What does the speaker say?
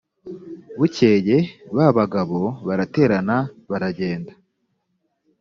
bukeye ba bagabo baraterana baragenda